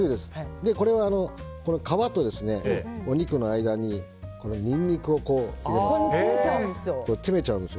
皮とお肉の間にニンニクを入れます。